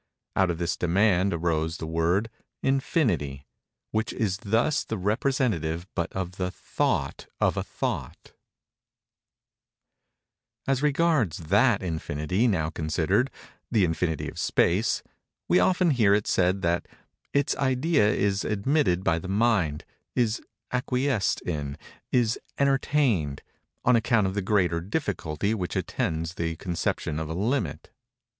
Out of this demand arose the word, "Infinity;" which is thus the representative but of the thought of a thought. As regards that infinity now considered—the infinity of space—we often hear it said that "its idea is admitted by the mind—is acquiesced in—is entertained—on account of the greater difficulty which attends the conception of a limit."